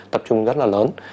tập trung rất là lớn